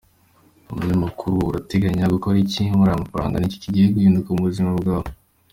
Umunyamakuru: Urateganya gukora iki muri aya mafaranga? Ni ki kigiye guhinduka mu buzima bwawe?.